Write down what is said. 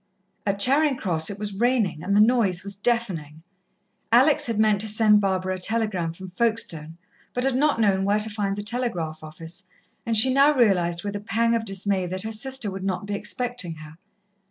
At Charing Cross it was raining, and the noise was deafening. Alex had meant to send Barbara a telegram from Folkestone, but had not known where to find the telegraph office, and she now realized with a pang of dismay that her sister would not be expecting her.